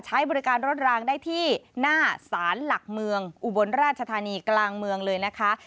ใช้บริการรถรางได้ที่หน้าสารหลักเมืองอุบลราชธานีกลางเมืองเลยนะคะ